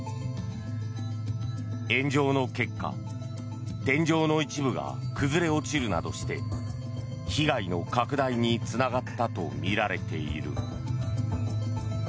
炎上の結果天井の一部が崩れ落ちるなどして被害の拡大につながったとみられている。